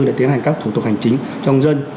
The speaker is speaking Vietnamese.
để tiến hành các thủ tục hành chính cho công dân